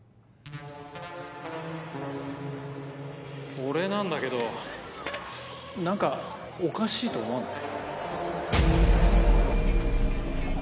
これなんだけど何かおかしいと思わない？